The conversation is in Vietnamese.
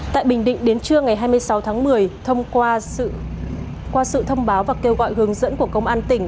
tại bình định đến trưa ngày hai mươi sáu tháng một mươi thông qua sự thông báo và kêu gọi hướng dẫn của công an tỉnh